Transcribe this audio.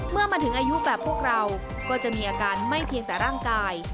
เมื่อมาถึงอายุแบบพวกเราก็จะมีอาการไม่เพียงแต่ร่างกาย